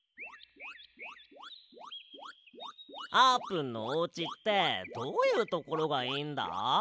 あーぷんのおうちってどういうところがいいんだ？